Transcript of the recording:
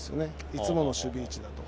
いつもの守備位置だと。